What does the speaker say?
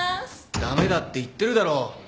ダメだって言ってるだろう。